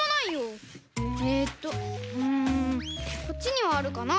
えっとうんこっちにはあるかな？